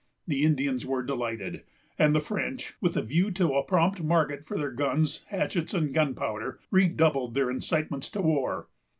The Indians were delighted; and the French, with a view to a prompt market for their guns, hatchets, and gunpowder, redoubled their incitements to war.